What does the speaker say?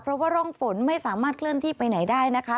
เพราะว่าร่องฝนไม่สามารถเคลื่อนที่ไปไหนได้นะคะ